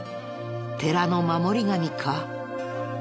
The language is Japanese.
寺の守り神か？